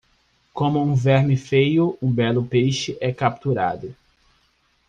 Com um verme feio, um belo peixe é capturado.